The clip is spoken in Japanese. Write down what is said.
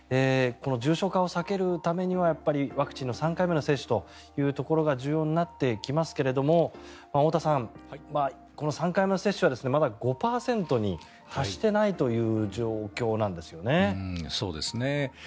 この重症化を避けるためにはやっぱりワクチンの３回目の接種というのが重要になってきますが太田さん、この３回目の接種はまだ５％に達していないという状況なんですよね。